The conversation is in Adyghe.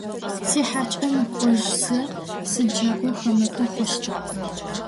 Сихьакӏэ мыкӏожьзэ сиджэгу хэмыты хъущтэп.